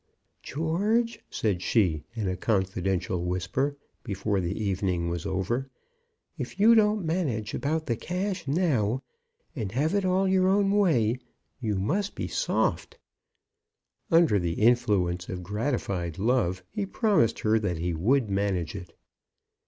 "George," said she, in a confidential whisper, before the evening was over, "if you don't manage about the cash now, and have it all your own way, you must be soft." Under the influence of gratified love, he promised her that he would manage it.